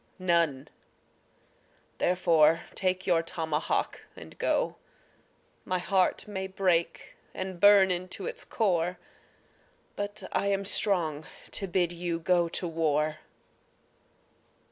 None therefore take your tomahawk and go. My heart may break and burn into its core, But I am strong to bid you go to war.